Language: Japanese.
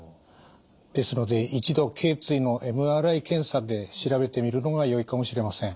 ですので一度けい椎のＭＲＩ検査で調べてみるのがよいかもしれません。